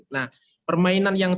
nah permainan yang coba